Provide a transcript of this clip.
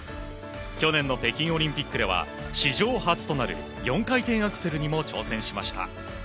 去年の北京オリンピックでは史上初となる４回転アクセルにも挑戦しました。